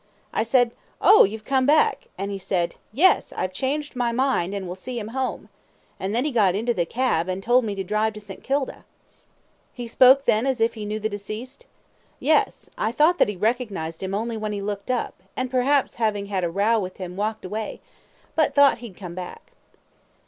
A. I said, "Oh! you've come back," and he said, "Yes, I've changed my mind, and will see him home," and then he got into the cab, and told me to drive to St. Kilda. Q. He spoke then as if he knew the deceased? A. Yes; I thought that he recognised him only when he looked up, and perhaps having had a row with him walked away, but thought he'd come back.